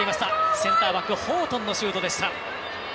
センターバックホートンのシュートでした。